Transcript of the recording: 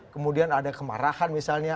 kemudian ada kemarahan misalnya